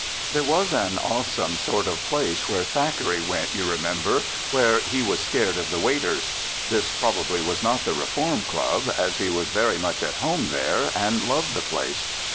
There was an awesome sort of place where Thackeray went, you remember, where he was scared of the waiters. This probably was not the Reform Club, as he was very much at home there and loved the place.